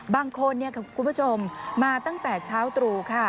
บางคนคุณผู้ชมมาตั้งแต่เช้าตรู